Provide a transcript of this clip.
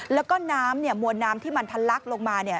แล้วก็น้ำเนี่ยมวลน้ำที่มันทะลักลงมาเนี่ย